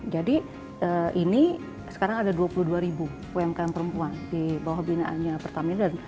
jadi ini sekarang ada dua puluh dua ribu umkm perempuan di bawah binaannya pertamina